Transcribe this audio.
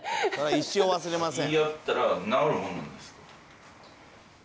一生忘れません。